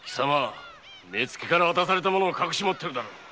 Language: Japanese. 目付から渡されたものを隠し持ってるだろう。